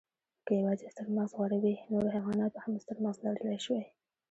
که یواځې ستر مغز غوره وی، نورو حیواناتو هم ستر مغز لرلی شوی.